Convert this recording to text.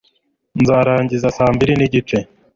nzarangiza saa mbiri n'igice